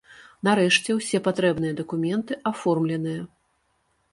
Нарэшце, усе патрэбныя дакументы аформленыя.